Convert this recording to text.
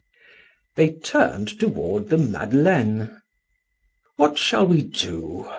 They turned toward the Madeleine. "What shall we do?"